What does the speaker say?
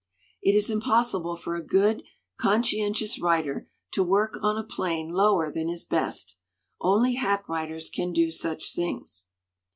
"It is impossible for a good, conscientious writer to work on a plane lower than his best. Only hack writers can do such things.